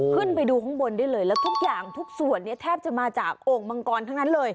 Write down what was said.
ขึ้นไปดูข้างบนได้เลยแล้วทุกอย่างทุกส่วนเนี่ยแทบจะมาจากโอ่งมังกรทั้งนั้นเลย